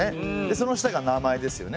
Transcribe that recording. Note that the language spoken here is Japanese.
その下が名前ですよね。